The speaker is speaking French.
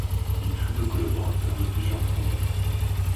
Il fut le collaborateur de plusieurs journaux.